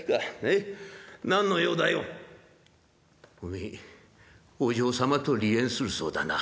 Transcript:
「おめえお嬢様と離縁するそうだな」。